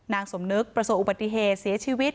นางสมนึกประสบอุบัติเหตุเสียชีวิต